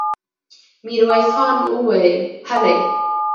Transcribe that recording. ميرويس خان وويل: هلئ!